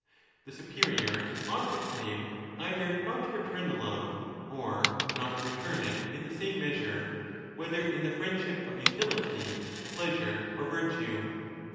The superior ought to * claim either not to return the love or not to return it in the same measure, whether in the friendship of utility, pleasure, or virtue.